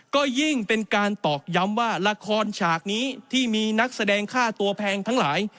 ก็ยิ่งเป็นการตอกย้ำว่าละครฉากนี้ที่มีนักแสดงค่าตัวแพงทั้งหลาย